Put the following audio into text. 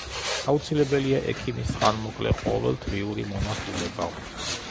აუცილებელია ექიმის ხანმოკლე, ყოველთვიური მონახულება.